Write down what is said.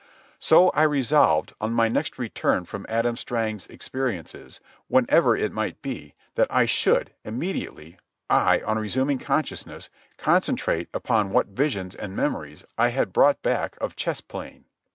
So I resolved, on my next return from Adam Strang's experiences, whenever it might be, that I should, immediately, on resuming consciousness, concentrate upon what visions and memories I had brought back of chess playing.